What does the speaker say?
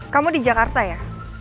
kamu di jakarta ya